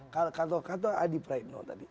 kalau kata kata adi praetno tadi